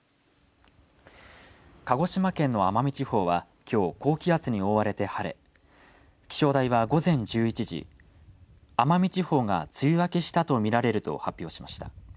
鹿児島県の奄美地方はきょう高気圧に覆われて晴れ気象台は午前１１時奄美地方が梅雨明けしたと見られると発表しました。